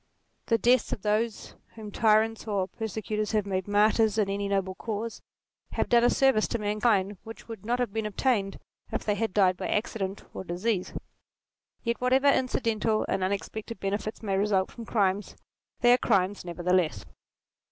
The deaths of those whom tyrants or persecutors have made martyrs in any noble cause, have done a service to mankind which would not have been obtained if they had died by accident or disease. Yet whatever incidental and unexpected benefits may result from crimes, they are 34 NATURE crimes nevertheless.